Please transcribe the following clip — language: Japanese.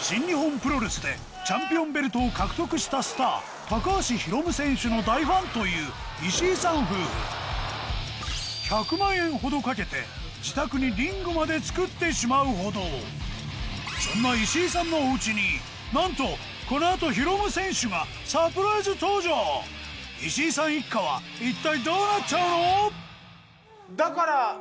新日本プロレスでチャンピオンベルトを獲得したスター高橋ヒロム選手の大ファンという石井さん夫婦１００万円ほどかけて自宅にリングまで作ってしまうほどそんな石井さんのお家になんとこのあと石井さん一家は一体どうなっちゃうの！？